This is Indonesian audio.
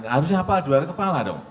harusnya apa jual kepala dong